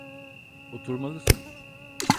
Oturmalısın.